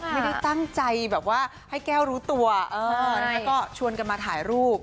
ไม่ได้ตั้งใจแบบว่าให้แก้วรู้ตัวแล้วก็ชวนกันมาถ่ายรูป